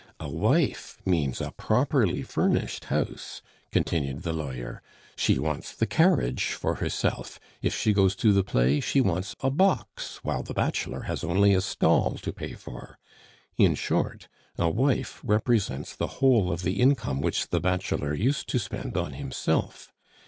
A wife means a properly furnished house," continued the lawyer; "she wants the carriage for herself; if she goes to the play, she wants a box, while the bachelor has only a stall to pay for; in short, a wife represents the whole of the income which the bachelor used to spend on himself.